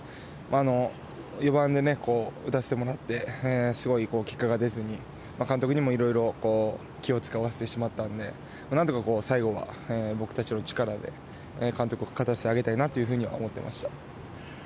４番で打たせてもらって結果が出ずに監督にも色々気を使わせてしまったのでなんとか最後は僕たちの力で監督を勝たせてあげたいとは思っていました。